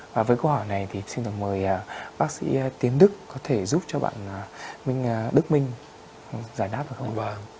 và với câu hỏi này thì xin mời bác sĩ tiến đức có thể giúp cho bạn đức minh giải đáp được không